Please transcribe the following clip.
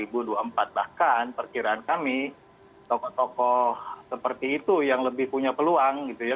bahkan perkiraan kami tokoh tokoh seperti itu yang lebih punya peluang gitu ya